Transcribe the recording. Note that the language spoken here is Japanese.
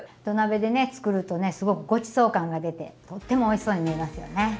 土鍋でね作るとねすごくごちそう感が出てとってもおいしそうに見えますよね！